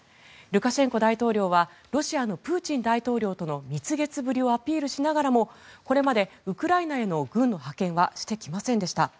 ルカシェンコ大統領はロシアのプーチン大統領との蜜月ぶりをアピールしながらもこれまでウクライナへの軍の派遣はしてきませんでした。